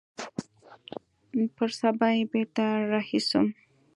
پر سبا يې بېرته رهي سوم.